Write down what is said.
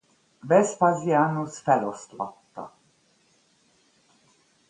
Vespasianus feloszlatta.